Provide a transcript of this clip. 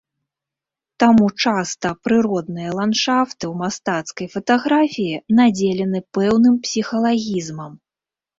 Таму часта прыродныя ландшафты ў мастацкай фатаграфіі надзелены пэўным псіхалагізмам.